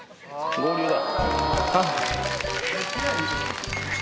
合流だ。